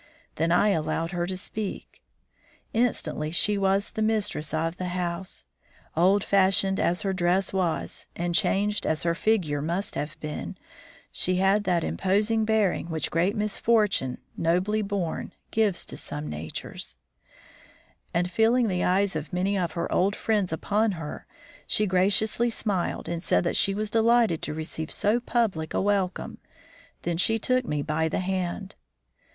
Then I allowed her to speak. Instantly she was the mistress of the house. Old fashioned as her dress was, and changed as her figure must have been, she had that imposing bearing which great misfortune, nobly borne, gives to some natures, and feeling the eyes of many of her old friends upon her, she graciously smiled and said that she was delighted to receive so public a welcome. Then she took me by the hand.